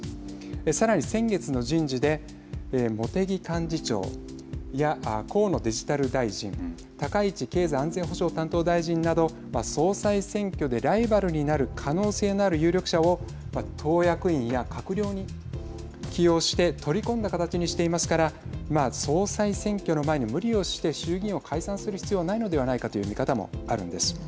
さらに、先月の人事で茂木幹事長や河野デジタル大臣高市経済安全保障担当大臣など総裁選挙でライバルになる可能性のある有力者を党役員や閣僚に起用して、取り込んだ形にしていますから総裁選挙の前に無理をして衆議院を解散する必要はないのではないかという見方もあるんです。